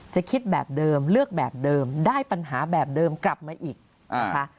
คิดแบบเดิมเลือกแบบเดิมได้ปัญหาแบบเดิมกลับมาอีกนะคะ